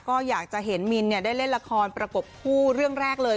ก็อยากจะเห็นมินได้เล่นละครประกบคู่เรื่องแรกเลย